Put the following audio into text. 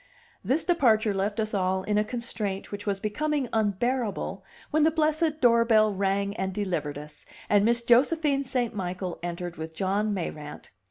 This departure left us all in a constraint which was becoming unbearable when the blessed doorbell rang and delivered us, and Miss Josephine St. Michael entered with John Mayrant.